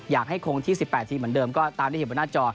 อยากให้คงที่๑๘ทีมเหมือนเดิมก็ตามที่เห็นบนหน้าจอ